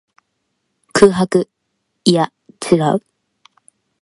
空白。いや、違う。